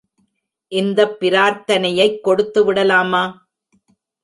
இந்த பிரார்த்தனையைக் கொடுத்து விடலாமா...?